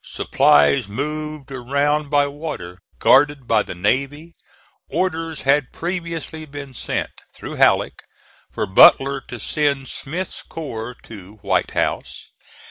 Supplies moved around by water, guarded by the navy. Orders had previously been sent, through Halleck, for Butler to send Smith's corps to White House.